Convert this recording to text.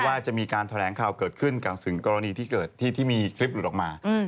ว่าจะมีการแถลงข่าวเกิดขึ้นกับสิ่งกรณีที่เกิดที่มีคลิปหลุดออกมา